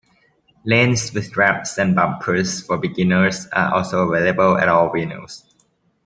Lanes with ramps and bumpers for beginners are also available at all venues.